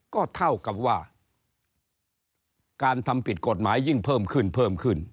ก็เท่ากับว่าการทำผิดกฎหมายยิ่งเพิ่มขึ้นเพิ่มขึ้น